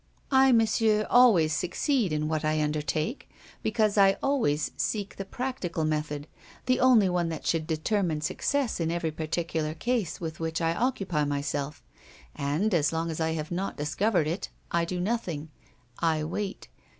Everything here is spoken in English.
I, Monsieur, always succeed in what I undertake, because I always seek the practical method, the only one that should determine success in every particular case with which I occupy myself; and, as long as I have not discovered it, I do nothing I wait.